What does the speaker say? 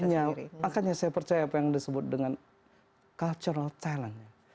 makanya saya percaya apa yang disebut dengan cultural talent